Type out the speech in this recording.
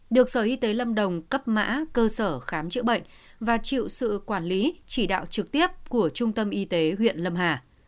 được sở y tế lâm đồng cấp mã cơ sở khám chữa bệnh và chịu sự quản lý chỉ đạo trực tiếp của trung tâm y tế huyện lâm hà